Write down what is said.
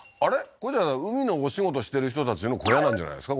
これじゃあ海のお仕事してる人たちの小屋なんじゃないですか？